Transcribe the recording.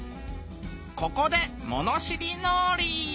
ここでものしりのぉり！